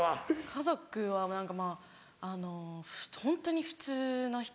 家族は何かまぁあのホントに普通の人。